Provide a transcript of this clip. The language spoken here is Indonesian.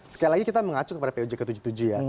sekali lagi kita mengacu kepada pojk tujuh puluh tujuh ya